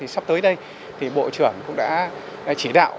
sắp tới đây bộ trưởng cũng đã chỉ đạo